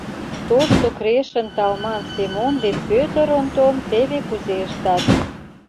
ТОШТО КРЕШЫН ТАЛМАН СЕМОН ДЕН ПӦТЫР ОНТОН ТЕВЕ КУЗЕ ЫШТАТ